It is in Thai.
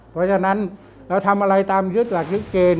เพราะฉะนั้นเราทำอะไรตามยึดหลักยึดเกณฑ์